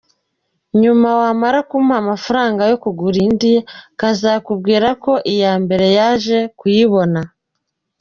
Nyuma wamara kumuha amafaranga yo kugura indi, akazakubwira ko iyambere yaje kuyibona.